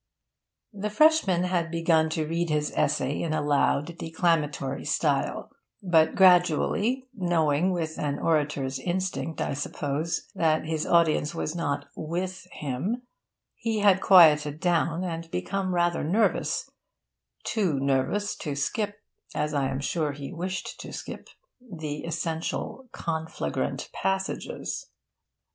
The freshman had begun to read his essay in a loud, declamatory style; but gradually, knowing with an orator's instinct, I suppose, that his audience was not 'with' him, he had quieted down, and become rather nervous too nervous to skip, as I am sure he wished to skip, the especially conflagrant passages.